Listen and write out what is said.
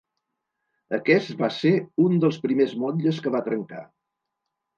Aquest va ser un dels primers motlles que va trencar.